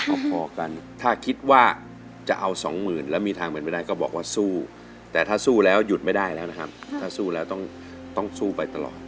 เอาพอกันถ้าคิดว่าจะเอาสองหมื่นแล้วมีทางเป็นไปได้ก็บอกว่าสู้แต่ถ้าสู้แล้วหยุดไม่ได้แล้วนะครับถ้าสู้แล้วต้องสู้ไปตลอด